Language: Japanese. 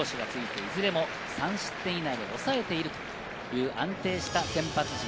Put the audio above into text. いずれも３失点以内におさえているという安定した先発陣。